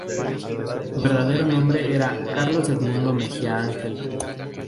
Su verdadero nombre era Carlos Edmundo Mejía Ángel.